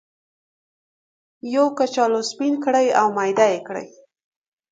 یو کچالو سپین کړئ او میده یې کړئ.